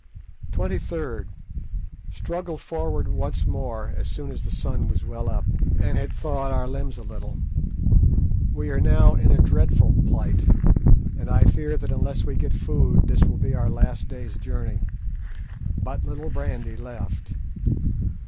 "23rd.—Struggled forward once more as soon as the sun was well up, and had thawed our limbs a little. We are now in a dreadful plight, and I fear that unless we get food this will be our last day's journey. But little brandy left.